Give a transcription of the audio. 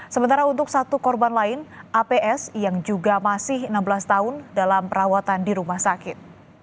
sementara untuk satu korban lain aps yang juga masih enam belas tahun dalam perawatan di rumah sakit